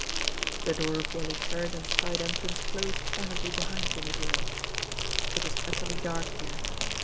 The door of Wally Kerrigan's side entrance closed silently behind Jimmie Dale. It was utterly dark here.